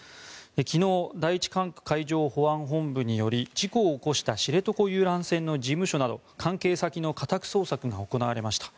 昨日第一管区海上保安本部により事故を起こした知床遊覧船の事務所など関係先の家宅捜索が行われました。